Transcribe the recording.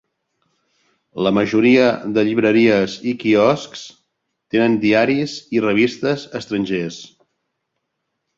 La majoria de llibreries i quioscs tenen diaris i revistes estrangers.